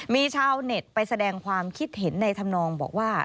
มีชาวเน็ตไปแสดงความคิดเห็นในธรรมนองบอกว่า